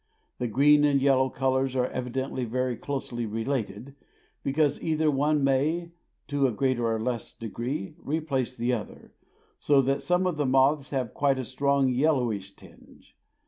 The green and yellow colors are evidently very closely related, because either one may, to a greater or less degree, replace the other, so that some of the moths have quite a strong, yellowish tinge.